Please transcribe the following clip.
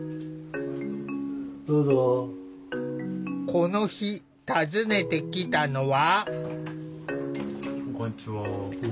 この日訪ねてきたのは。